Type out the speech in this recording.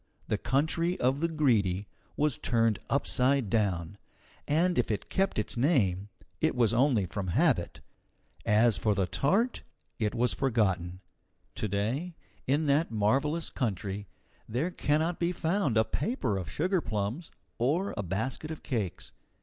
The country of the Greedy was turned upside down, and if it kept its name, it was only from habit. As for the tart, it was forgotten. To day, in that marvellous country, there cannot be found a paper of sugarplums or a basket of cakes.